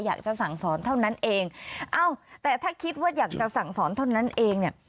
อยากจะสั่งสอนเท่านั้นเองเอ้าแต่ถ้าคิดว่าอยากจะสั่งสอนเท่านั้นเองเนี่ย